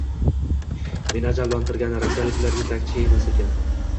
meni ajablantirgani, rossiyaliklar yetakchi emas ekan.